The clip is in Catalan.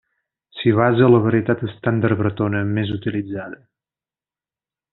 S'hi basa la varietat estàndard bretona més utilitzada.